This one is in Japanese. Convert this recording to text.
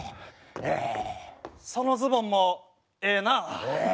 そのズボンもええなあ。